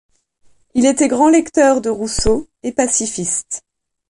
Il était grand lecteur de Rousseau et pacifiste.